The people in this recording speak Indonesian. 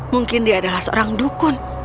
mungkin dia adalah seorang dukun